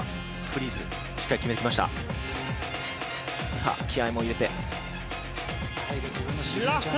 さあ、気合いも入れて。